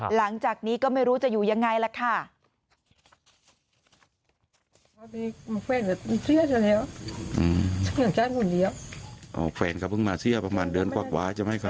หลังจากนี้ก็ไม่รู้จะอยู่ยังไงล่ะค่ะ